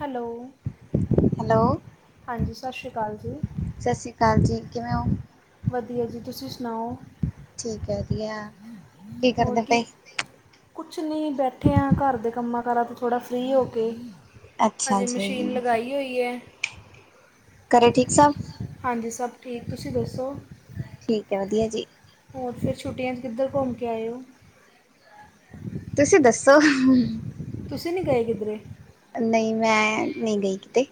Hello hello, ਹਾਂਜੀ ਸਤਿ ਸ਼੍ਰੀ ਅਕਾਲ ਜੀ ਸਤਿ ਸ਼੍ਰੀ ਅਕਾਲ ਜੀ ਕਿਵੇਂ ਹੋ ਵਧੀਆ ਜੀ ਤੁਸੀਂ ਸੁਣਾਓ ਠੀਕ ਹੈ ਵਧੀਆ ਕੀ ਕਰਦੇ ਪਏ ਕੁਛ ਨਹੀਂ ਬੈਠੇ ਹਾਂ ਘਰ ਦੇ ਕੰਮਾਂ ਕਾਰਾਂ ਤਾਂ ਥੋੜ੍ਹਾ ਫਰੀ ਹੋ ਕੇ ਅੱਛਾ ਹਜੇ ਜੀ, ਮਸ਼ੀਨ ਲਗਾਈ ਹੋਈ ਹੈ। ਘਰੇ ਠੀਕ ਸਬ। ਹਾਂਜੀ ਸਬ ਠੀਕ ਤੁਸੀਂ ਦੱਸੋ। ਠੀਕ ਹੈ ਵਧੀਆ ਜੀ। ਹੋਰ ਫਿਰ ਛੱਟੀਆਂ 'ਚ ਕਿੱਧਰ ਘੁੰਮ ਕੇ ਆਏਓ [unintelligible] ਤੁਸੀਂ ਦੱਸੋ ਤੁਸੀਂ ਨਹੀਂੀ ਗਏ ਕਿਧਰੇ ਨਹੀਂ ਮੈਂ ਨਹੀਂ ਗਈ ਕਿਤੇ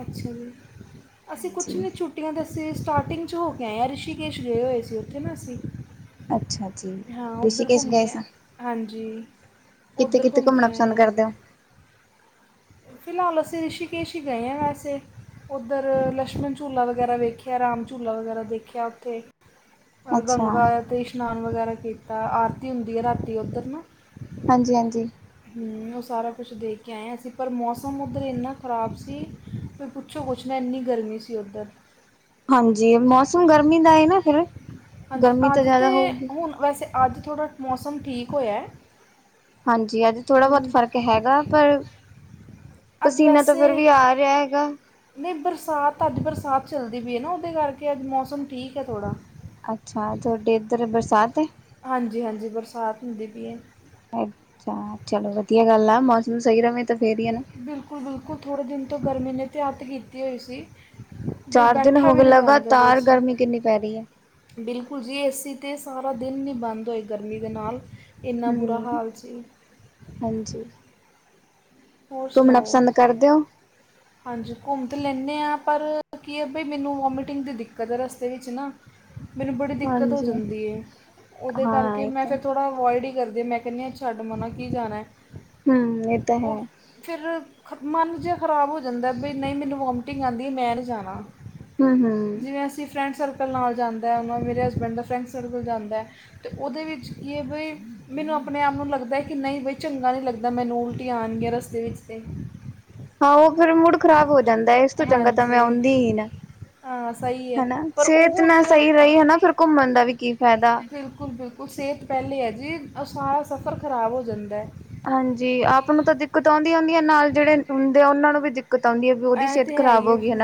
ਅੱਛਾ ਜੀ ਅਸੀਂ ਕੁਛ ਹਾਂਜੀ। ਨਹੀਂ ਛੁੱ ੁੱਟੀਆਂ ਤਾਂ ਅਸੀਂ ਸਟਾਰਟਿੰਗ 'ਚ ਹੋ ਕੇ ਆਏ ਹਾਂ ਰਿਸ਼ੀਕੇਸ਼ ਗਏ ਹੋਏ ਸੀ ਉੱਥੇ ਨਾ ਅਸੀਂ ਅੱਛਾ ਜੀ ਹਾਂ ਉੱਧਰ ਰਿਸ਼ੀਕੇਸ਼ ਘੁੰਮ ਕੇ ਆ ਹਾਂਜੀ ਤੇ ਉੱਧਰ ਕਿੱਥੇ ਘੁੰਮ ਘੁੰਮਣਾ ਕੇ ਆਏ ਪਸੰਦ ਹਾਂ ਕਰਦੇ ਹੋ ਫਿਲਹਾਲ ਅਸੀਂ ਰਿਸ਼ਕੇਸ਼ ਹੀ ਗਏ ਹਾਂ ਵੈਸੇ ਉੱਧਰ ਲਛਮਣ ਝੂਲਾ ਵਗੈਰਾ ਦੇੇਖਿਆ ਰਾਮ ਝੂਲਾ ਵਗੈਰਾ ਦੇਖਿਆ ਉੱਥੇ ਅੱਛਾ, ਗੰਗਾ ਤੇ ਸ਼ਸ਼ਨਾਨ ਵਗੈਰਾ ਕੀਤਾ ਆਰਤੀ ਹੁੰ ਹੈ ਰਾਤੀ ਉੱਧਰ ਨਾ ਹਾਂਜੀ ਹਾਂਜੀ ਉਹ ਸਾਰਾ ਕੁਛ ਦੇਖ ਕੇ ਆਇਆ ਸੀ ਪਰ ਮੌਸਮ ਉੱਧਰ ਇੰਨਾ ਖ਼ਰਾਬ ਸੀ ਫ ਪੁੱਛੋ ਕੁੱਛ ਨਾ ਇੰਨੀ ਗਰਮੀ ਸੀ ਉੱਧਰ ਹਾਂਜੀ ਮੌਸਮ ਗਰਮੀ ਦਾ ਏ ਨਾ ਫਿਰ ਹਾਂਜੀ ਗਰਮੀ ਤਾਂ ਅੱਜ ਜ਼ਿਆਦਾ ਹੋਊਗੀ। ਤਾਂ ਹੁਣ ਵੈਸੇ ਅੱਜ ਥੋੜ੍ਹਾ ਮੌਸਮ ਠੀਕ ਹੋਇਆ ਹਾਂਜੀ ਅੱਜ ਥੋੜ੍ਹਾ ਬਹੁਤ ਹਮ, ਫ਼ਰਕ ਹੈਗਾ ਪਰ ਅੱਜ ਪਸੀਨਾ ਤਾਂ ਵੈਸੇ ਫੇਿਰ ਵੀ ਆ ਰਿਹਾ ਹੈਗਾ ਨਹੀਂ ਬਰਸਾਤ ਤਾਂ ਅੱਜ ਬਰਸਾਤ ਚੱਲਦੀ ਪਈ ਹੈ ਨਾ ਉਹਦੇ ਕਰਕੇ ਅੱਜ ਮੌਸਮ ਠੀਕ ਹੈ ਥੋੜ੍ਹਾ ਅੱਛਾ ਤੁਹਾਡੇ ਇੱਧਰ ਬਰਸਾਤ ਹੈ ਹਾਂਜੀ ਹਾਂਜੀ ਬਰਸਾਤ ਹੁੰਦੀ ਪਈ ਹੈ ਅੱਛਾ ਚਲੋ ਵਧੀਆ ਗੱਲ ਆ ਮੌਸਮ ਸਹੀ ਰਹੇ ਤਾਂ ਫਿਰ ਹੀ ਹੈ ਨਾ ਬਿਲਕੁਲ ਬਿਲਕੁਲ ਥੋੜ੍ਹੇ ਦਿਨ ਤੋਂ ਗਰਮੀ ਨੇ ਤਾਂ ਅਤ ਕੀਤੀ ਹੋਈ ਸੀ ਵੀ ਚਾਰ ਦਿਨ ਬੈਠਾ ਹੋ ਵੀ ਗਏ ਨਹੀਂ ਜਾਂਦਾ ਪਿਆ ਲਗਾਤਾਰ ਸੀ ਗਰਮੀ ਕਿੰਨੀ ਪੈ ਰਹੀ ਹੈ ਬਿਲਕੁਲ ਜੀ ਏ ਸੀ ਤਾਂ ਸਾਰਾ ਦਿਨ ਨਹੀਂ ਬੰਦ ਹੋਏ ਗਰਮੀ ਦੇ ਨਾਲ ਇੰਨਾ ਬੁਰਾ ਹਮ ਹਾਲ ਸੀ ਹਾਂਜੀ ਹੋਰ ਘੁੰਮਣਾ ਸੁਣਾਓ ਪਸੰਦ ਕਰਦੇ ਹੋ ਹਾਂਜੀ ਘੁੰਮ ਤਾਂ ਲੈਂਦੇ ਹਾਂ ਪਰ ਕੀ ਹੈ ਬਈ ਮੈਨੂੰ ਵੋਮੀਟਿੰਗ ਦੀ ਦਿੱਕਤ ਹੈ ਰਸਤੇ ਵਿੱਚ ਨਾ ਮੈਨੂੰ ਬੜੀ ਦਿੱਕਤ ਹੋ ਹਾਂਜੀ ਜਾਂਦੀ ਹੈ ਉਹਦੇ ਹਾਂ ਕਰਕੇ ਇਹ ਮੈਂ ਤਾਂ ਫਿਰ ਥੋੜ੍ਹਾ ਅਵੋਇਡ ਹੀ ਕਰਦੇ ਮੈਂ ਕਿਹਾ ਛੱਡ ਮਣਾ ਕੀ ਜਾਣਾ ਹਮ ਇਹ ਤਾਂ ਹੈ ਉਹ ਫਿਰ ਮਨ ਜਿਹਾ ਖ਼ਰਾਬ ਹੋ ਜਾਂਦਾ ਵੀ ਨਹੀਂ ਮੈਨੂੰ ਵਾਮਟਿੰਗ ਆਉਂਦੀ ਮੈਂ ਨਹੀਂ ਜਾਣਾ ਹਮ ਹਮ ਜਿਵੇਂ ਅਸੀਂ ਫਰੈਂਡ ਸਰਕਲ ਨਾਲ ਜਾਂਦਾ, ਉਹ ਮੇਰੇ ਹਸਬੈਂਡ ਦਾ ਫਰੈਂਡ ਸਰਕਲ ਜਾਂਦਾ। ਅਤੇ ਉਹਦੇ ਵਿੱਚ ਕੀ ਹੈ ਭਈ ਮੈਨੂੰ ਆਪਣੇ ਆਪ ਨੂੰ ਲੱਗਦਾ ਕਿੰਨਾ ਹੀ ਵੀ ਚੰਗਾ ਨਹੀਂ ਲੱਗਦਾ, ਮੈਨੂੰ ਉਲਟੀਆਂ ਆਣਗੀਆਂ ਰਸਤੇ ਵਿੱਚ ਤੇ। ਹਾਂ ਉਹ ਫਿਰ ਮੁੂੜ ਖ਼ਰਾਬ ਹੋ ਜਾਂਦਾ, ਇਸ ਤੋਂ ਚੰਗਾ ਤਾਂ ਮੈਂ ਹਾਂਜੀ ਆਉਂਦੀ ਹੀ ਨਾ। ਹਾਂ ਸਹੀ ਹੈ ਹਨਾ, ਪਰ ਉਹ ਸਿਹਤ ਹੁਣ ਨਾ ਸਹੀ ਰਹੀ ਹਨਾ, ਫਿਰ ਘੁੰਮਣ ਦਾ ਵੀ ਕੀ ਫਾਇਦਾ। ਬਿਲਕੁਲ -ਬਿਲਕੁਲ ਸਿਹਤ ਪਹਿਲੇ ਐ ਜੀ, ਸਾਰਾ ਸਫ਼ਰ ਖਰਾਬ ਹੋ ਜਾਂਦਾ। ਹਾਂਜੀ, ਆਪ ਨੂੰ ਤਾਂ ਦਿੱਕਤ ਆਉਂਦੀ -ਆਉਂਦੀ ਐ, ਨਾਲ ਜਿਹੜੇ ਹੁੰਦੇ ਆ, ਉਹਨਾਂ ਨੂੰ ਵੀ ਦਿੱਕਤ ਆਉਂਦੀ ਐ। ਐਹ ਤੇ ਹੈ ਹੀ ਏ ਫੇਰ,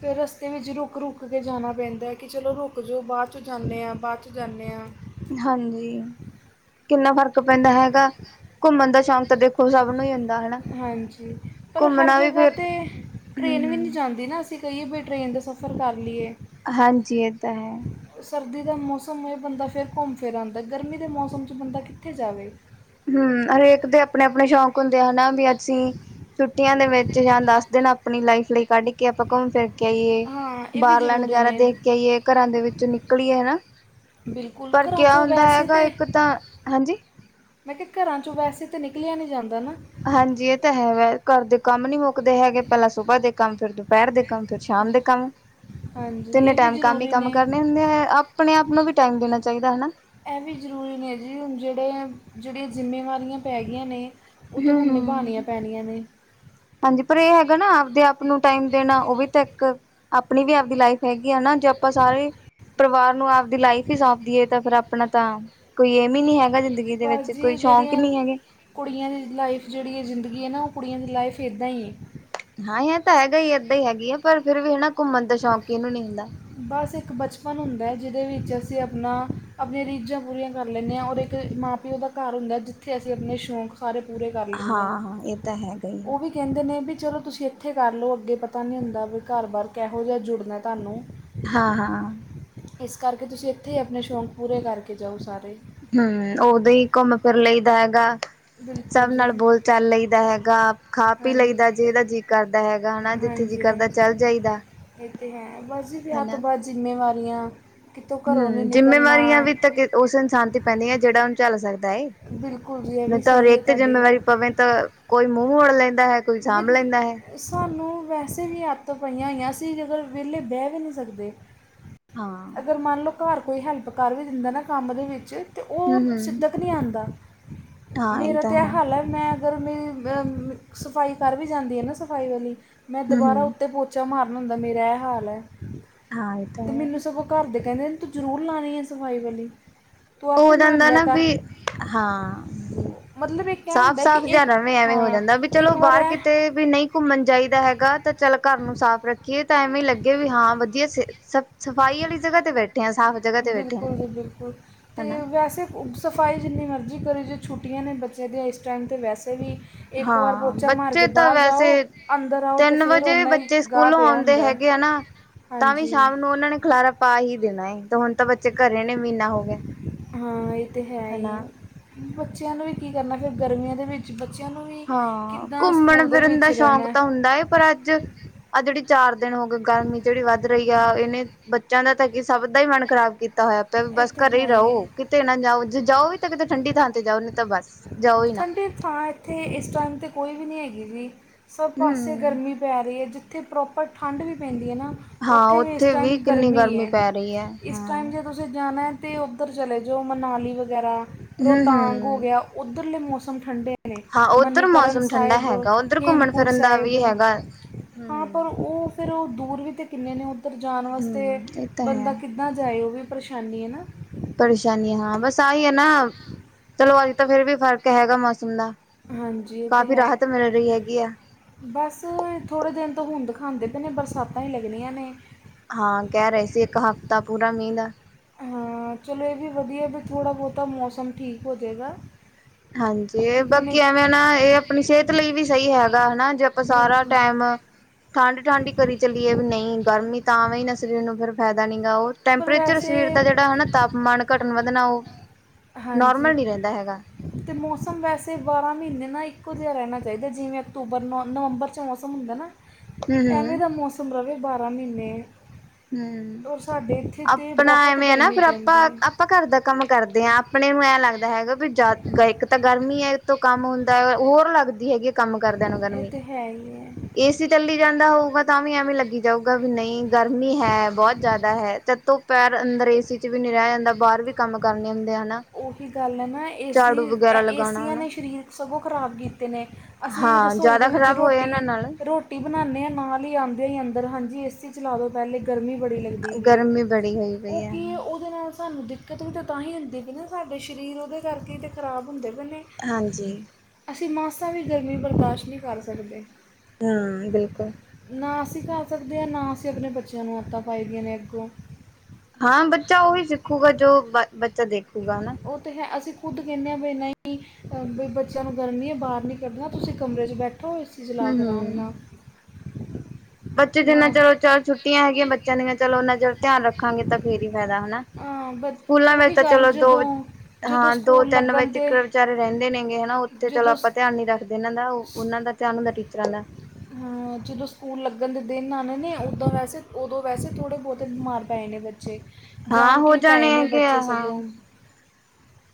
ਫੇਰ ਰਸਤੇ ਅਤੇ ਵਿੱਚ ਰੁਕ- ਰੁਕ ਕੇ ਜਾਣਾ ਪੈਂਦਾ, ਕਿ ਚਲੋ ਰੁਕ ਜਾਓ, ਬਾਅਦ ਚੋਂ ਜਾਂਦੇ ਆਂ, ਬਾਅਦ ਚੋਂ ਜਾਂਦੇ ਆਂ। ਹਾਂਜੀ, ਕਿੰਨਾ ਫਰਕ ਪੈਂਦਾ ਹੈਗਾ ਘੁੰਮਣ ਦਾ, ਸ਼ੌਂਕ ਤਾਂ ਦੇਖੋ ਸਭ ਨੂੰ ਹੀ ਹੁੰਦ ਹਾਂਜੀ, ਪਰ ਹਰ ਜਗ੍ਹਾ ਫਿਰ ਤੇ ਟ੍ਰੇਨ ਵੀ ਨਹੀਂ ਹੂੰ-ਹੂੰ। ਜਾਂਦੀ ਨਾ। ਅਸੀਂ ਕਹੀਏ ਵੀ ਟ੍ਰੇਨ ਦਾ ਸਫ਼ਰ ਕਰ ਲਈਏ ਹਾਂਜੀ ਇਹ ਤਾਂ ਹੈ ਸਰਦੀ ਦਾ ਮੌਸਮ ਹੋਏ ਬੰਦਾ ਫਿਰ ਘੁੰਮ ਫਿਰ ਆਉਂਦਾ ਗਰਮੀ ਦੇ ਮੌਸਮ 'ਚ ਬੰਦਾ ਕਿੱਥੇ ਜਾਵੇ ਹਮ ਹਰੇਕ ਦੇ ਆਪਣੇ ਆਪਣੇ ਸ਼ੌਂਕ ਹੁੰਦੇ ਆ ਹਨਾ ਵੀ ਅਸੀਂ ਛੁੱਟੀਆਂ ਦੇ ਵਿੱਚ ਜਾਂ ਦਸ ਦਿਨ ਆਪਣੀ ਲਾਈਫ ਲਈ ਕੱਢ ਕੇ ਆਪਾਂ ਘੁੰਮ ਫਿਰ ਕੇ ਆਈਏ ਹਾਂ ਇਹ ਵੀ ਬਾਹਰਲਾ ਜ਼ਰੂਰੀ ਨਜ਼ਾਰਾ ਨੇ ਦੇਖ ਕੇ ਆਈਏ, ਘਰਾਂ ਦੇ ਵਿੱਚੋ ਨਿਕਲੀਏ ਹਨਾ। ਬਿਲਕੁਲ ਪਰ ਘਰਾਂ ਕਿਆ 'ਚੋਂ ਹੁੰਦਾ ਵੈਸੇ ਹੈਗਾ, ਇੱਕ ਤਾਂ ਹਾਂਜੀ ਮੈਂ ਕਿਹਾ ਘਰਾਂ ਚੋਂ ਵੈਸੇ ਤਾਂ ਨਿਕਲਿਆ ਨਹੀਂ ਜਾਂਦਾ ਨਾ। ਹਾਂਜੀ ਇਹ ਤਾਂ ਹੈ ਵ ਘਰ ਦੇ ਕੰਮ ਨੀ ਮੁੱਕਦੇ ਹੈਗੇ, ਪਹਿਲਾਂ ਸੁਬਾਹ ਦੇ ਕੰਮ, ਫਿਰ ਦੁਪਹਿਰ ਦੇ ਕੰਮ, ਫਿਰ ਸ਼ਾਮ ਦੇ ਕੰਮ। [unintelligible] ਹਾਂਜੀ, ਤਿੰਨੇ ਇਹ ਵੀ ਟਾਈਮ ਕੰਮ ਹੀ ਜ਼ਰੂਰੀ ਕੰਮ ਨੇ। ਕਰਨੇ ਆਪਣੇ ਆਪ ਨੂੰ ਵੀ ਟਾਈਮ ਦੇਣਾ ਚਾਹੀਦਾ ਹਨਾ। ਇਹ ਵੀ ਜ਼ਰੂਰੀ ਨੇ ਜੀ, ਹੁਣ ਜਿਹੜੇ ਜਿਹੜੀਆਂ ਜ਼ਿੰਮੇਵਾਰੀਆਂ ਪੈ ਗੀਆਂ ਨੇ। ਉਹ ਤੇ ਹੁਣ ਨਿਭਾਣੀਆਂ ਹੂੰ-ਹੂੰ। ਪੈਣੀਆਂ ਨੇ। ਹਾਂਜੀ ਪਰ ਇਹ ਹੈਗਾ ਨਾ ਆਪਦੇ ਆਪ ਨੂੰ ਟਾਈਮ ਦੇਣਾ, ਉਹ ਵੀ ਤਾਂ ਇੱਕ ਆਪਣੀ ਵੀ ਆਪਦੀ ਲਾਈਫ ਹੈਗੀ ਆ ਨਾ, ਜੇ ਆਪਾਂ ਸਾਰੇ ਪਰਿਵਾਰ ਨੂੰ ਆਪ ਦੀ ਲਾਈਫ ਹੀ ਸੌਂਪਦੀ ਹੈ, ਤਾਂ ਫਿਰ ਆਪਣਾ ਤਾਂ ਕੋਈ ਏਮ ਹੀ ਨੀ ਹੈਗਾ ਜ਼ਿੰਦਗੀ ਦੇ ਬਸ ਵਿੱਚ, ਜੀ ਕੋਈ ਸ਼ੌਂਕ ਈ ਜਿਹੜੀਆਂ ਨੀ ਹੈਗੇ। ਕੁੜੀਆਂ ਦੀ ਲਾਈਫ ਜਿਹੜੀ ਜ਼ਿੰਦਗੀ ਹੈ ਨਾ, ਉਹ ਕੁੜੀਆਂ ਦੀ ਲਾਈਫ ਇੱਦਾਂ ਹੀ ਏ। ਹਾਂ ਇਹ ਤਾਂ ਹੈਗਾ ਈ ਏਦਾਂ ਹੀ ਹੈਗੀ ਆ, ਪਰ ਫਿਰ ਵੀ ਹਨਾ ਘੁੰਮਣ ਦਾ ਸ਼ੌਂਕ ਕਿਹਨੂੰ ਨੀ ਹੁੰਦਾ। ਬਸ ਇੱਕ ਬਚਪਨ ਹੁੰਦਾ ਜਿਹਦੇ ਵਿੱਚ ਅਸੀਂ ਆਪਣਾ ਆਪਣੀਆਂ ਰੀਝਾਂ ਪੂਰੀਆਂ ਕਰ ਲੈਂਨੇ ਆਂ, ਔਰ ਇੱਕ ਮਾਂ ਪਿ ਮਾਂ-ਪਿਉ ਦਾ ਘਰ ਹੁੰਦਾ, ਜਿੱਥੇ ਅਸੀਂ ਆਪਣੇ ਸ਼ੌਂਕ ਸਾਰੇ ਪੂਰੇ ਕਰ ਲੈਨੇ ਆਂ, ਹਾਂ-ਹਾਂ ਇਹ ਤਾਂ ਹੈਗਾ ਹੀ ਆ ਉਹ ਵੀ ਕਹਿੰਦੇ ਨੇ ਵੀ ਚਲੋ ਤੁਸੀਂ ਇੱਥੇ ਕਰ ਲਓ, ਅੱਗੇ ਪਤਾ ਨਹੀਂ ਹੁੰਦਾ ਵੀ ਘਰ- ਬਾਰ ਕਿਹੋ ਜਾ ਜੁੜਨਾ ਤੁਹਾਨੂੰ। ਹਾਂ- ਹਾਂ, ਇਸ ਕਰਕੇ ਤੁਸੀਂ ਇੱਥੇ ਹੀ ਆਪਣੇ ਸ਼ੌਂਕ ਪੂਰੇ ਕਰਕੇ ਜਾਓ ਸਾਰੇ। ਹੂੰ, ਉਦੋਂ ਹੀ ਘੁੰਮ ਫਿਰ ਲਈ ਦਾ ਹੈਗਾ, ਸਭ ਬਿਲਕੁਲ ਜੀ ਨਾਲ ਬੋਲ ਹਾਂ ਚੱਲ ਲਈਦਾ ਹੈਗਾ, ਖਾ ਪੀ ਲਈਦਾ ਜੇਦਾ ਜੀ ਕਰਦਾ ਹੈਗਾ ਹਨਾ, ਜਿੱਥੇ ਜੀ ਹਾਂਜੀ ਕਰਦਾ ਹਾਂਜੀ ਚੱਲ ਜਾਈਦਾ ਇਹ ਤੇ ਹੈ ਬਸ ਜੀ ਵਿਆਹ ਤੋਂ ਹਨਾ। ਬਾਅਦ ਜ਼ਿੰਮੇਵਾਰੀਆਂ ਕਿਤੋਂ ਘਰੋਂ ਨਹੀਂ ਹਮ ਨਿਕਲਣਾ। ਜਿੰਮੇਵਾਰੀਆਂ ਵੀ ਤਾਂ ਉਸ ਇਨਸਾਨ ਤੇ ਪੈਂਦੀ ਐ, ਜਿਹੜਾ ਉਹਨੂੰ ਝੱਲ ਸਕਦਾ ਏ। ਬਿਲਕੁਲ ਵੀ ਇਹ ਵੀ ਸਹੀ ਏ ਤੁਹਾਡੀ ਗੱਲ। ਅ ਕੋਈ ਮੂੰਹ ਮੋੜ ਲੈਂਦਾ ਹੈ। ਕੋਈ ਸਾਂਭ ਬਿਜ ਲੈਂਦਾ ਹੈ ਸਾਨੂੰ ਵੈਸੇ ਵੀ ਆਦਤ ਪਈਆਂ ਹੋਈਆਂ, ਅਸੀਂ ਜੇਕਰ ਵਿਹਲੇ ਬਹਿ ਵੀ ਨਹੀਂ ਸਕਦੇ। ਹਾਂ ਅਗਰ ਮੰਨ ਲਓ, ਘਰ ਕੋਈ ਹੈਲਪ ਕਰ ਵੀ ਦਿੰਦਾ ਨਾ ਕੰਮ ਦੇ ਵਿੱਚ ਤੇ ਹਮ ਉਹ ਹਮ ਸਿਦਕ ਨਹੀਂ ਆਂਦਾ। ਮੇਰਾ ਤਾਂ ਇਹ ਹਾਲ ਐ, ਮੈਂ ਅਗਰ ਮੇਰੀ ਸਫਾਈ ਕਰ ਵੀ ਜਾਂਦੀ ਹੈ ਨਾ ਸਫਾਈ ਵਾਲੀ ਮੈਂ ਹਮ ਦੁਬਾਰਾ ਹਮ ਉੱਤੇ ਪੋਚਾ ਮਾਰਨ ਹੁੰਦਾ ਮੇਰਾ ਇਹ ਹਾਲ ਐ, ਹਾਂ ਇਹ ਤਾਂ ਤੇ ਹੈ ਮੈਨੂੰ ਸਗੋਂ ਘਰ ਦੇ ਕਹਿੰਦੇ ਤੂੰ ਜ਼ਰੂਰ ਲਾਉਣੀ, ਆ ਸਫ਼ਾਈ ਵਾਲੀ। ਤੂੰ ਉਹ ਆਪੇ ਮਾਰ ਜਾਂਦਾ ਲਿਆ ਨਾ ਕਰ ਵੀ, ਹਾਂ ਜ ਮਤਲਬ ਇਹ ਕਿਆ ਸਾਫ਼ ਹੁੰਦਾ ਕਿ ਸਾਫ਼ ਜਾਂ ਇੱਕ ਰਵੇਂ ਐਵੇਂ ਹੋ ਹਾਂ ਜਾਂਦਾ ਵੀ, ਚਲੋ ਇੱਕ ਵਾਰ ਬਾਹਰ ਐ ਕਿਤੇ ਵੀ ਨਹੀਂ ਘੁੰਮਣ ਚਾਹੀਦਾ ਹੈਗਾ, ਤਾਂ ਚੱਲ ਘਰ ਨੂੰ ਸਾਫ਼ ਰੱਖ। ਕੀ ਤਾਂ ਐਵੇਂ ਹੀ ਲੱਗੇ, ਵੀ ਹਾਂ ਵਧੀਆ ਸ ਸ ਸਫ਼ਾਈ ਵਾਲੀ ਜਗ੍ਹਾ ਤੇ ਬੈਠੇ ਆ ਸਾਫ਼। ਜਗ੍ਹਾ ਤੇ ਬੈਠੇ ਆ ਬਿਲਕੁਲ ਜੀ ਬਿਲਕੁਲ ਤੇ, ਹਨਾ ਵੈਸੇ ਸਫ਼ਾਈ ਜਿੰਨੀ ਮਰਜ਼ੀ ਕਰੀ ਛੁਟੀਆਂ ਨੇ ਬੱਚਿਆਂ ਦੀਆਂ, ਇਸ ਟਾਈਮ ਤੇ ਵੈਸੇ ਵੀ ਇੱਕ ਵਾਰ ਹਾਂ ਪੋਚਾ ਮਾਰ ਕੇ ਬੱਚੇ ਤਾਂ ਬਾਹਰ ਵੈਸੇ ਜਾਓ, ਅੰਦਰ ਆਓ ਅਤੇ ਤਿੰਨ ਫਿਰ ਵਜੇ ਉਨਾਂ ਬੱਚੇ ਗਾਹ ਸਕੂਲੋਂ ਪਿਆ ਆਉਂਦੇ ਹੁੰਦਾ। ਹੈਗੇ ਆ ਨਾ ਤਾਂ ਵੀ ਹਾਂਜੀ ਸ਼ਾਮ ਨੂੰ ਉਹਨਾਂ ਨੇ ਖੁਲਾਰਾ ਪਾ ਹੀ ਦੇਣਾ, ਤੇ ਹੁਣ ਤਾਂ ਬੱਚੇ ਘਰੇ ਨੇ ਮਹੀਨਾ ਹੋ ਗਿਆ। ਹਾਂ ਇਹ ਤੇ ਹੈ ਹੀ, ਹਨਾ ਬੱਚਿਆਂ ਨੂੰ ਵੀ ਕੀ ਕਰਨਾ ਫਿਰ ਗਰਮੀਆਂ ਦੇ ਵਿੱਚ ਬੱਚਿਆਂ ਨੂੰ ਵੀ ਹਾਂ ਕਿੱਦਾਂ ਸਕੂਲ ਘੁੰਮਣ ਦੇ ਫਿਰਨ ਵਿੱਚ ਦਾ ਸ਼ੌਕ ਰਹਿਣਾ। ਤਾਂ ਹੁੰਦਾ ਹੈ ਪਰ ਅੱਜ ਆਹ ਜਿਹੜੀ ਚਾਰ ਦਿਨ ਹੋ ਗਏ, ਗਰਮੀ ਜਿਹੜੀ ਵੱਧ ਰਹੀ ਆ ਇਹਨੇ ਬੱਚਿਆਂ ਦਾ ਤਾਂ ਕਿ, ਸਭ ਦਾ ਹੀ ਮਨ ਖਰਾਬ ਕੀਤਾ। ਤਾ ਹੋਇਆ ਪਿਆ ਵੀ ਇਹ ਬਸ ਤੇ ਘਰੇ ਹੀ ਹੈ ਹੈ ਰਹੋ, ਕਿਤੇ ਨਾ ਜਾਓ, ਜੇ ਜਾਓ ਵੀ ਤਾਂ ਕਿਤੇ ਠੰਡੀ ਥਾਂ ਤੇ ਜਾਓ, ਨਈ ਤਾਂ ਬਸ ਜਾਓ ਈ ਨਾ। ਠੰਡੀ ਥਾਂ ਇੱਥੇ ਇਸ ਟਾਈਮ ਤੇ ਕੋਈ ਵੀ ਨਹੀਂ ਹੈਗੀ ਵੀ, ਸਭ ਪਾਸੇ ਹਮ ਗਰਮੀ ਪੈਰੀ ਐ, ਜਿੱਥੇ ਪ੍ਰੋਪਰ ਠੰਡ ਵੀ ਪੈਂਦੀ ਹੈ ਨਾ। ਹਾਂ ਉੱਥੇ ਵੀ ਇਸ ਟਾਈਮ ਕਿੰਨੀ ਗਰਮੀ ਏ, ਪੈ ਰਹੀ ਹੈ ਇਸ ਹਾਂ ਟਾਈਮ ਹਮ ਜੇ ਤੁਸੀਂ ਉਧਰ ਜਾਣਾ ਤਾਂ ਉੱਧਰ ਚਲੇ ਜਾਓ ਮਨਾਲੀ ਵਗੈਰਾ, ਰੋਹਤਾਂਗ ਹੋ ਹਮ ਗਿਆ। ਉੱਧਰਲੇ ਮੌਸਮ ਠੰਡੇ, ਹਾਂ ਉੱਧਰ ਮਨੀਕਰਨ ਮੌਸਮ ਠੰਡਾ ਸਾਹਿਬ, ਹੈਗਾ ਉੱਧਰ ਘੁੰਮਣ ਹੇਮਕਟ ਫਿਰਨ ਦਾ ਸਾਹਿਬ, ਵੀ ਹੈਗਾ ਹਾਂ ਪਰ ਹਮ ਉਹ, ਫਿਰ ਉਹ ਦੂਰ ਵੀ ਤਾਂ ਕਿੰਨੇ ਨੇ ਉੱਧਰ ਜਾਣ ਵਾਸਤੇ ਹਮ ਇਹ ਤਾਂ ਬੰਦਾ ਹੈ ਕਿੱਦਾਂ ਜਾਏ ਉਹ ਵੀ ਪਰੇਸ਼ਾਨੀ ਹੈ ਨਾ, ਫੇਰ ਪਰੇਸ਼ਾਨੀ ਹਾਂ ਬਸ ਆਹੀ ਹੈ ਨਾ ਚਲੋ, ਅੱਜ ਤਾਂ ਫੇਰ ਵੀ ਫਰਕ ਹੈਗਾ ਮੌਸਮ ਦਾ ਹਾਂਜੀ ਇਹ ਤਾਂ ਕਾਫ਼ੀ ਹੈ ਰਾਹਤ ਮਿਲ ਰਹੀ ਹੈਗੀ ਆ। ਬਸ ਥੋੜ੍ਹੇ ਦਿਨ ਤੋਂ ਹੁੰਦ ਖਾਂਦੇ, ਨੇ ਬਰਸਾਤਾਂ ਹੀ ਲੱਗਣੀਆਂ ਨੇ। ਹਾਂ ਕਹਿ ਰਹੇ ਸੀ, ਇੱਕ ਹਫ਼ਤਾ ਪੂਰਾ ਮੀਂਹ ਦਾ ਹਾਂ ਚਲੋ ਇਹ ਵੀ ਵਧੀਆ ਵੀ, ਥੋੜ੍ਹਾ ਬਹੁਤਾ ਮੌਸਮ ਠੀਕ ਹੋ ਜਾਵੇਗਾ। ਹਾਂਜੀ, ਕਿਉਂਕਿ ਬਾਕੀ ਨਹੀਂ ਐਵੇਂ ਨਾ ਇਹ ਆਪਣੀ ਸਿਹਤ ਲਈ ਵੀ ਸਹੀ ਹੈਗਾ ਹਨਾ ਜੇ ਆਪਾਂ ਸਾਰਾ ਬਿਲਕੁਲ ਟਾਈਮ ਠੰਡ-ਠੰਢ ਹੀ ਕਰੀ ਚੱਲੀਏ, ਨਹੀਂ ਗਰਮੀ ਤਾਂ ਵੀ ਨਾ ਸਰੀਰ ਨੂੰ ਫਿਰ ਫਾਇਦਾ ਨੀ ਗੀ ਉਹ ਪਰ ਟੈਂਪਰੇਚਰ ਵੈਸੇ ਸਰੀਰ ਦਾ ਜਿਹੜਾ ਹਨਾ ਤਾਪਮਾਨ ਘਟਣ ਵਧਣਾ ਉਹ ਹਾਂਜੀ, ਨੋਰਮਲ ਨੀ ਰਹਿੰਦਾ ਹੈਗਾ ਅਤੇ ਮੌਸਮ ਵੈਸੇ ਬਾਰ੍ਹਾਂ ਮਹੀਨੇ ਨਾ ਇੱਕੋ ਜਿਹਾ ਰਹਿਣਾ ਚਾਹੀਦਾ ਜਿਵੇਂ, ਅਕਤੂਬਰ ਨੌ ਨਵੰਬਰ 'ਚ ਮੌਸਮ ਹੁੰਦਾ ਨਾ ਹੂੰ ਐਵੇਂ ਹੂੰ ਦਾ ਮੌਸਮ ਰਵੈ ਬਾਰਾਂ ਮਹੀਨੇ, ਹੂੰ, ਔਰ ਸਾਡੇ ਇੱਥੇ ਤਾਂ ਆਪਣਾ ਬਹੁਤ ਐਵੇਂ ਹੈ ਨਾ ਗਰਮੀ ਫਿਰ ਆਪਾਂ ਪੈਂਦੀ ਹੈ ਆਪਾਂ ਘਰ ਦਾ। ਕੰਮ ਕਰਦੇ ਹਾਂ ਆਪਣੇ ਨੂੰ ਐ ਲੱਗਦਾ ਹੈਗਾ, ਵੀ ਇੱਕ ਤਾਂ ਗਰਮੀ ਹੈ ਤੋਂ ਕੰਮ। ਹੋਰ ਲੱਗਦੀ ਹੈਗੀ, ਕੰਮ ਕਰਦਿਆਂ ਨੂੰ ਇਹ ਗਰਮੀ ਤਾਂ ਹੈ ਹੀ ਹੈ ਏਸੀ ਤੱਲੀ ਜਾਂਦਾ ਹੋਊਗਾ, ਤਾਂ ਵੀ ਐਵੇਂ ਲੱਗੀ ਜਾਊਗਾ ਵੀ ਨਹੀਂ ਗਰ ਹੈ ਬਹੁਤ ਜ਼ਿਆਦਾ ਹੈ ਚੱਤੋ ਪਹਿਰ ਘਰੇ ਏ ਸੀ 'ਚ ਵੀ ਨੀ ਰਿਹਾ ਜਾਂਦਾ ਬਾਹਰ ਵੀ ਕੰਮ ਕਰਨੇ ਹੁੰਦੇ ਹਨਾ। ਉਹੀ ਗੱਲ ਹੈ ਨਾ ਏਸ ਝਾੜੂ ਵਗੈਰਾ ਲਗਾਉਣਾ ਏਸੀਆਂ ਹਨਾ ਨੇ ਸਰੀਰ ਸਗੋਂ ਖਰਾਬ ਕੀਤੇ ਨੇ। ਅਸੀਂ ਹਾਂ ਰਸੋਈ ਦੇ ਜ਼ਿਆਦਾ ਵਿੱਚ ਖ਼ਰਾਬ ਹੋਏ ਰੋਟੀ, ਇਹਨਾਂ ਨਾਲ ਰੋ ਬਣਾਨੇ ਹਾਂ ਨਾਲ ਹੀ ਆਦੇ ਅੰਦਰ ਹਾਂਜੀ ਏ ਸੀ ਚਲਾ ਦੋ ਪਹਿਲੇ ਗਰਮੀ ਬੜੀ ਲੱਗੀ ਗਰਮੀ ਬੜੀ ਹੋਈ ਉਹ ਪਈ ਹੈ ਕੀ ਏ ਉਹਦੇ ਨਾਲ ਸਾਨੂੰ ਦਿੱਕਤ ਵੀ ਤਾਂ ਤਾਂ ਹੀ ਹੁੰਦੀ ਪਈ ਨਾ ਸਾਡੇ ਸਰੀਰ ਉਹਦੇ ਕਰਕੇ ਹੀ ਤਾਂ ਖਰਾਬ ਹੁੰਦੇ ਪਏ ਨੇ। ਹਾਂਜੀ ਅਸੀਂ ਮਾਸਾਂ ਵੀ ਗਰਮੀ ਬਰਦਾਸ਼ਤ ਨਹੀਂ ਕਰ ਸਕਦੇ। ਹੂੰ ਬਿਲਕੁਲ। ਨਾ ਅਸੀਂ ਕਰ ਸਕਦੇ ਹਾਂ ਨਾ ਅਸੀਂ ਆਪਣੇ ਬੱਚਿਆਂ ਨੂੰ ਆਦਤਾਂ ਪਾਈ ਦੀਆਂ ਨੇ ਅੱਗੋਂ। ਹਾਂ ਬੱਚਾ ਉਹੀ ਸਿੱਖੂਗਾ ਜੋ ਬੱਚਾ ਦੇਖੂਗਾ ਹਨਾ। ਉਹ ਤਾਂ ਹੈ ਅਸੀਂ ਖੁਦ ਕਹਿੰਨੇ ਆ ਵੀ ਨਹੀਂ ਬਈ ਬੱਚਿਆਂ ਨੂੰ ਗਰਮੀ ਹੈ ਬਾਹਰ ਨਹੀਂ ਕੱਢਣਾ ਤੁਸੀਂ ਕਮਰੇ 'ਚ ਬੈਠੋ ਏ ਸੀ ਚਲਾ ਹਮ ਕੇ ਆਰਾਮ ਹਮ ਨਾਲ। ਬੱਚੇ ਨਾ ਜਿੰਨਾ ਚਲੋ ਚੱਲ ਛੁੱਟੀਆਂ ਹੈਗੀਆਂ ਬੱਚਿਆਂ ਦੀਆਂ ਚਲੋ ਉਨਾ ਚਿਰ ਧਿਆਨ ਰੱਖਾਂਗੇ ਤਾਂ ਫੇਰ ਹੀ ਫਾਇਦਾ ਹਨਾ। ਹਾਂ ਬਸ ਸਕੂਲਾਂ ਵਿੱਚ ਉਹੀ ਤਾਂ ਗੱਲ ਚਲੋ ਦੋ, ਜਦੋਂ ਜਦੋਂ ਹਾਂ ਸਕੂਲ ਦੋ-ਤਿੰਨ ਵਜੇ ਲੱਗਣ ਤੇ ਤਿਕਰ ਵਿਚਾਰੇ ਰਹਿੰਦੇ ਦੇ ਦੇਗੇ ਹਨਾ ਉੱਥੇ ਚਲੋ ਜਦੋਂ ਆਪਾਂ ਸ- ਧਿਆਨ ਨੀ ਰੱਖਦੇ ਇਹਨਾਂ ਦਾ ਉਹਨਾਂ ਦਾ ਧਿਆਨ ਹੁੰਦਾ ਟੀਚਰਾਂ ਦਾ। ਹਾਂ ਜਦੋਂ ਸਕੂਲ ਲੱਗਣ ਦੇ ਦਿਨ ਆਨੇ ਨੇ ਉਦਾਂ ਵੈਸੇ ਉਦੋਂ ਵੈਸੇ ਥੋੜ੍ਹੇ ਬਹੁਤੇ ਬਿਮਾਰ ਪਏ ਨੇ ਬੱਚੇ, ਹਾਂ ਜਾਨ ਹੋ ਕੇ ਪਏ ਜਾਣੇ ਨੇ ਹੈਗੇ ਬੱਚੇ ਆ ਹਾਂ ਸਗੋਂ।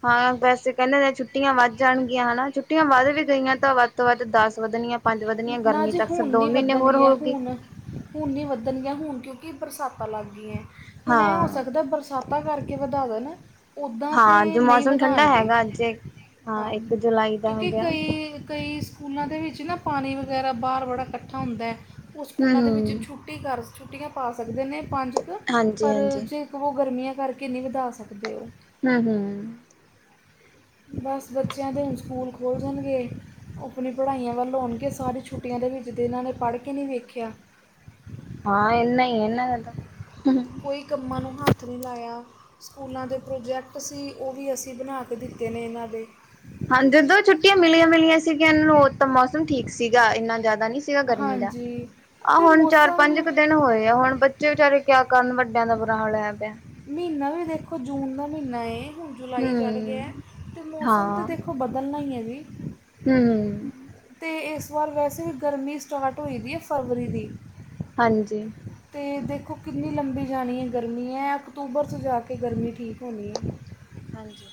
ਹਾਂ ਵੈਸੇ ਕਹਿੰਦੇ ਨੇ ਛੁੱਟੀਆਂ ਵੱਧ ਜਾਣਗੀਆਂ ਹਨਾ ਛੁੱਟੀਆਂ ਵੱਧ ਵੀ ਗਈਆਂ ਤਾਂ ਵੱਧ ਤੋਂ ਵੱਧ ਦਸ ਵਧਣੀਆਂ, ਪੰਜ ਵਧਣੀਆਂ ਨਾ ਗਰਮੀ ਜੀ ਤਾਂ ਅਕਸਰ ਹੁਣ ਦੋ ਨਹੀਂ ਮਹੀਨੇ ਵਧਣ ਹੋਰ ਗਿਆ ਹੋਊਗੀ। ਹੁਣ ਹੁਣ ਨੀ ਵੱਧਣਗੀਆਂ ਹੁਣ ਕਿਉਂਕਿ ਬਰਸਾਤਾਂ ਲੱਗ ਗਈਆਂ, ਹੁਣ ਇਹ ਹੋ ਹਾਂ ਸਕਦਾ ਬਰਸਾ ਬਰਸਾਤਾਂ ਕਰਕੇ ਵਧਾ ਦੇਣ, ਉੱਦਾਂ ਹਾਂ ਤਾਂ ਜੋ ਨਹੀਂ ਮੌਸਮ ਠੰਡਾ ਵਧਾਉਣਗੇ। ਹੈਗਾ ਅੱਜ ਹਾਂ, ਇੱਕ ਜੁਲਾਈ ਦਾ ਹੋ ਕਿਉਂਕਿ ਗਿਆ ਕਈ ਕਈ ਸਕੂਲਾਂ ਦੇ ਵਿੱਚ ਨਾ ਪਾਣੀ ਵਗੈਰਾ ਬਾਹਰ ਬੜਾ ਇਕੱਠਾ ਹੁੰਦਾ ਉਹ ਹਮ ਸਕੂਲਾਂ ਦੇ ਵਿੱਚ ਛੁ ਹਮ ਛੁੱਟੀ ਕਰ ਛੁੱਟੀਆਂ ਪਾ ਸਕਦੇ ਨੇ ਪੰਜ ਕੁ ਹਾਂਜੀ ਪਰ ਹਾਂਜੀ ਜੇ ਉਹ ਗਰਮੀਆਂ ਕਰਕੇ ਨਹੀਂ ਵਧਾ ਸਕਦੇ ਉਹ। ਹੂੰ-ਹੂੰ ਬਸ ਬੱਚਿਆਂ ਦੇ ਹੁਣ ਸਕੂਲ ਖੁੱਲ ਜਾਣਗੇ। ਆਪਣੀ ਪੜ੍ਹਾਈਆਂ ਵੱਲ ਹੋਣਗੇ ਸਾਰੀ ਛੁੱਟੀਆਂ ਦੇ ਵਿੱਚ ਤਾਂ ਇਹਨਾਂ ਨੇ ਪੜ੍ਹ ਕੇ ਨਹੀਂ ਵੇਖਿਆ। ਹਾਂ ਇਨਾ ਹੀ ਇਹਨਾਂ ਦਾ ਤਾਂ, ਹੂੰ। ਕੋਈ ਕੰਮਾਂ ਨੂੰ ਹੱਥ ਨਹੀਂ ਲਾਇਆ। ਸਕੂਲਾਂ ਦੇ ਪ੍ਰੋਜੈਕਟ ਸੀ ਉਹ ਵੀ ਅਸੀਂ ਬਣਾ ਕੇ ਦਿੱਤੇ ਨੇ ਇਹਨਾਂ ਦੇ। ਹਾਂ ਜਦੋਂ ਛੁੱਟੀਆਂ ਮਿਲੀਆਂ-ਮਿਲੀਆਂ ਸੀਗੀਆਂ ਇਹਨਾਂ ਨੂੰ ਉਹ ਤਾਂ ਮੌਸਮ ਠੀਕ ਸੀਗਾ ਇੰਨਾ ਜ਼ਿਆਦਾ ਨਹੀਂ ਸੀ। ਸੀਗਾ ਗਰਮੀ ਦਾ, ਹਾਂਜੀ ਆਹ ਅਤੇ ਹੁਣ ਚਾਰ-ਪੰਜ ਮੌਸਮ ਕੁ ਦਿਨ ਹੋਏ ਆ ਹੁਣ ਬਚ ਬੱਚੇ ਵਿਚਾਰੇ ਕਿਆ ਕਰਨ ਵੱਡਿਆਂ ਦਾ ਬੁਰਾ ਹਾਲ ਹੋਇਆ ਪਿਆ। ਮਹੀਨਾ ਵੀ ਦੇਖੋ ਜੂਨ ਦਾ ਮਹੀਨਾ ਏ ਹੁਣ ਜੁਲਾਈ ਚੜ੍ਹ ਗਿਆ ਹੂੰ ਅਤੇ ਮੌਸਮ ਤਾਂ ਹਾਂ ਦੇਖੋ ਉਹ ਬਦਲਣਾ ਹੀ ਹੈ ਜੀ। ਹੂੰ ਤੇ ਇਸ ਵਾਰ ਵੈਸੇ ਵੀ ਗਰਮੀ ਸਟਾਰਟ ਹੋ ਦੀ ਹੈ ਫਰਵਰੀ ਦੀ। ਹਾਂਜੀ। ਤੇ ਦੇਖੋ ਕਿੰਨੀ ਲੰਬੀ ਜਾਣੀ ਹੈ ਗਰਮੀ ਹੈ ਅਕਤੂਬਰ 'ਚ ਜਾ ਕੇ ਗਰਮੀ ਠੀਕ ਹੋਣੀ ਹੈ। ਹਾਂਜੀ।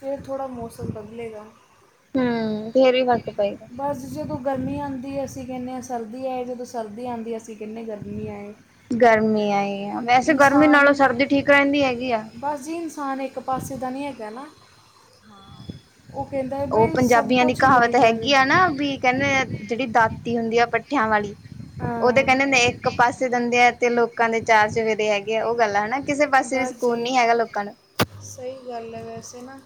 ਫਿਰ ਥੋੜ੍ਹਾ ਮੌਸਮ ਬਦਲੇਗਾ। ਹੂੰ ਫੇਰ ਹੀ ਫਰਕ ਪਏ। ਅਸੀਂ ਜਦੋਂ ਗਰਮੀ ਆਂਦੀ ਏ ਅਸੀਂ ਕਹਿੰਨੇ ਹਾਂ ਸਰਦੀ ਆਏ, ਜਦੋਂ ਸਰਦੀ ਆਂਦੀ ਅਸੀਂ ਕਹਿਨੇ ਆ ਗਰਮੀ ਆਏ। ਗਰਮੀ ਆਏ ਵੈਸੇ ਗਰਮੀ ਨਾਲੋਂ ਇਨਸਾਨ ਸਰਦੀ ਠੀਕ ਰਹਿੰਦੀ ਹੈਗੀ ਆ। ਬਸ ਜੀ ਇਨਸਾਨ ਇੱਕ ਪਾਸੇ ਦਾ ਨਹੀਂ ਹੈਗਾ ਨਾ। ਹਾਂ ਉਹ ਕਹਿੰਦਾ ਹੈ ਉਹ ਬਈ ਸਭ ਪੰਜਾਬੀਆਂ ਦੀ ਕੁਝ ਮਿਲ ਕਹਾਵਤ ਜਾਵੇ ਹੈਗੀ ਆ ਨਾ ਵੀ ਕਹਿੰਦੇ ਜਿਹੜੀ ਦਾਤੀ ਹੁੰਦੀ ਆ ਪੱਠਿਆਂ ਵਾਲੀ। ਉਹ ਤੇ ਹਾਂ ਕਹਿੰਦੇ, ਇੱਕ ਪਾਸੇ ਦੰਦੇ ਆ ਤੇ, ਲੋਕਾਂ ਦੇ ਚਾਰ ਚਵੇਰੇ ਹੈਗੇ ਆ, ਉਹ ਗੱਲ ਆ ਹਨਾ ਕਿਸੇ ਪਾਸੇ ਵੀ ਬਸ ਸਕੂਨ ਜੀ ਨੀ ਹੈਗਾ, ਲੋਕਾਂ ਨੂੰ। ਸਹੀ, ਗੱਲ ਹੈ ਵੈਸੇ ਨਾ।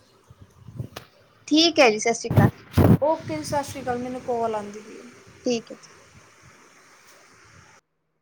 ਠੀਕ ਹੈ ਜੀ ਸਤਿ ਸ਼੍ਰੀ ਅਕਾਲ ਓਕੇ ਜੀ, ਸਤਿ ਸ੍ਰੀ ਅਕਾਲ, ਮੈਨੂੰ ਕੋਲ ਆਉਂਦੀ ਪਈ ਹੈ ਠੀਕ ਏ ਜੀ।